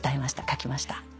書きました。